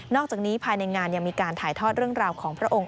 อกจากนี้ภายในงานยังมีการถ่ายทอดเรื่องราวของพระองค์